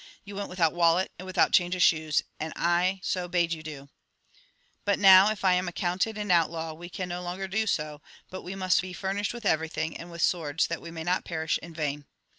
You went with out wallet and without change of shoes, and I so bade you do. But now, if I am accounted an out law, we can no longer do so, but we must be fur nished with everything, and with swords, that we may not perish in vain."